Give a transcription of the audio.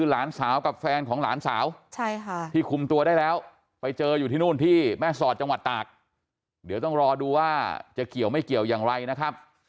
แล้วไปเจออยู่ที่นู่นที่แม่สอดจังหวัดตากเดี๋ยวต้องรอดูว่าจะเกี่ยวไม่เกี่ยวอย่างไรนะครับ